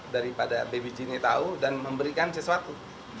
daripada bayi j ini tahu dan memberikan sesuatu